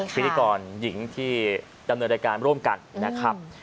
พิธีกรหญิงที่ดำเนินรายการร่วมกันนะครับ